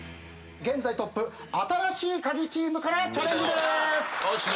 現在トップ新しいカギチームからチャレンジです。